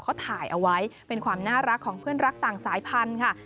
เขาถ่ายเอาไว้เป็นความน่ารักของเพื่อนรักต่างสายพันธุ์ค่ะ